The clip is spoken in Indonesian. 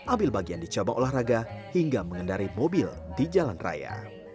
ambil bagian di cabang olahraga hingga mengendari mobil di jalan raya